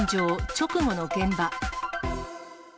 直後の現場。